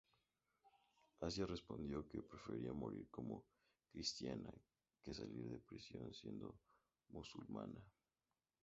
Asia respondió que prefería morir como cristiana que salir de la prisión siendo musulmana.